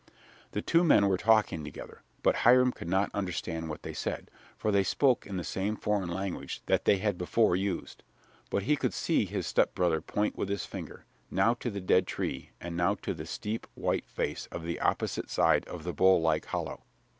The two men were talking together, but Hiram could not understand what they said, for they spoke in the same foreign language that they had before used. But he could see his stepbrother point with his finger, now to the dead tree and now to the steep, white face of the opposite side of the bowl like hollow.